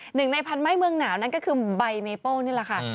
หนึ่งในพันไม้เมืองหนาวนั่นก็คือใบเมเปิ้ลนี่แหละค่ะ